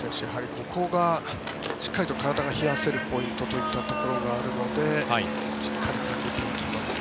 ここがしっかりと体冷やせるポイントといったところがあるのでしっかりかけていきますね。